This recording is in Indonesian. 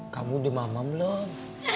kamu udah mama belum